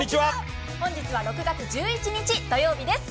本日は６月１１日土曜日です。